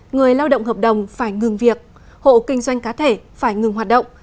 người lao động hợp đồng phải ngừng việc hộ kinh doanh cá thể phải ngừng hoạt động